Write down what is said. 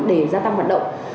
để gia tăng hoạt động